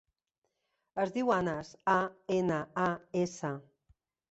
Es diu Anas: a, ena, a, essa.